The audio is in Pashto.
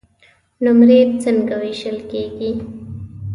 نمرې څنګه وېشل کیږي؟